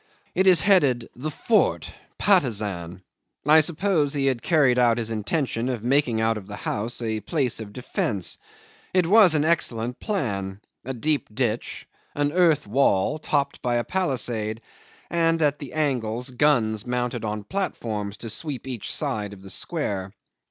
It is headed "The Fort, Patusan." I suppose he had carried out his intention of making out of his house a place of defence. It was an excellent plan: a deep ditch, an earth wall topped by a palisade, and at the angles guns mounted on platforms to sweep each side of the square.